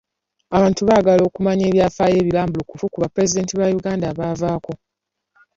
Abantu baagala okumanya ebyafaayo ebirambulukufu ku bapulezidenti ba Uganda abaavaako.